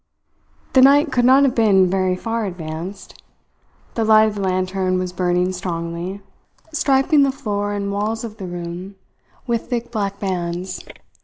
The night could not have been very far advanced. The light of the lantern was burning strongly, striping the floor and walls of the room with thick black bands.